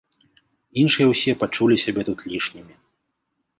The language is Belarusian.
Іншыя ўсе пачулі сябе тут лішнімі.